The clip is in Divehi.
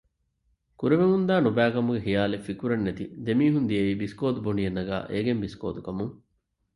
ކުރެވެމުންދާ ނުބައިކަމުގެ ޚިޔާލެއް ފިކުރެއް ނެތި ދެމީހުން ދިޔައީ ބިސްކޯދު ބޮނޑިއެއް ނަގާ އޭގެން ބިސްކޯދު ކަމުން